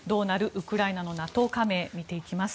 ウクライナのＮＡＴＯ加盟見ていきます。